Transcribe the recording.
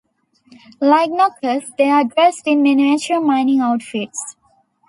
Like Knockers, they are dressed in miniature mining outfits.